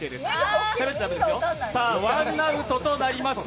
さぁ、ワンアウトとなりました。